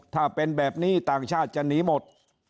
ถ้าเป็นแบบนี้ต่างชาติจะหนีหมด